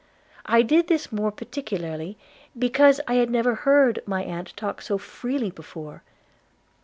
I did this more particularly, because I had never heard my aunt talk so freely before.